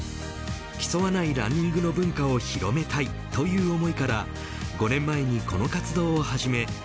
競わないランニングの文化を広めたいという思いから５年前にこの活動を始め